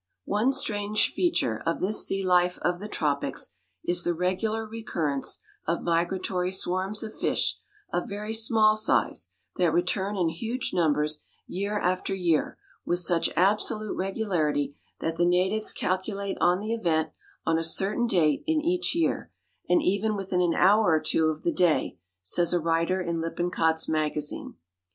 One strange feature of this sea life of the tropics is the regular recurrence of migratory swarms of fish of very small size that return in huge numbers year after year with such absolute regularity that the natives calculate on the event on a certain date in each year and even within an hour or two of the day, says a writer in Lippincott's Magazine.